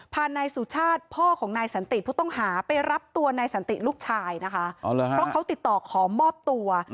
นายสุชาติพ่อของนายสันติผู้ต้องหาไปรับตัวนายสันติลูกชายนะคะเพราะเขาติดต่อขอมอบตัว